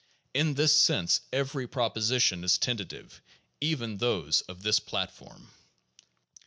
In this sense every proposition is tentative, even those of this platform.